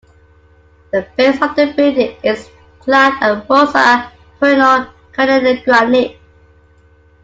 The base of the building is clad in Rosa Purino Carnelian granite.